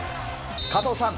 加藤さん